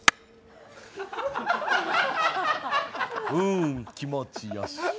んー、気持ちよし。